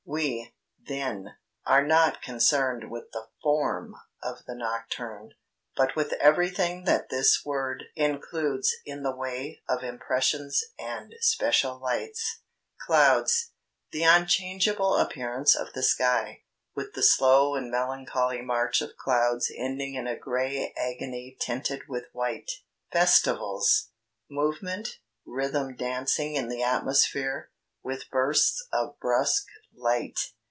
We, then, are not concerned with the form of the nocturne, but with everything that this word includes in the way of impressions and special lights. "Clouds: The unchangeable appearance of the sky, with the slow and melancholy march of clouds ending in a gray agony tinted with white. "Festivals: Movement, rhythm dancing in the atmosphere, with bursts of brusque light.